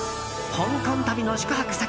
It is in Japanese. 香港旅の宿泊先